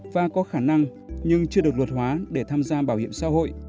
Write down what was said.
và có khả năng nhưng chưa được luật hóa để tham gia bảo hiểm xã hội